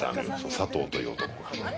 佐藤という男が。